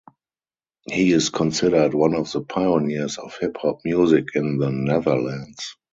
He is considered one of the pioneers of hip hop music in the Netherlands.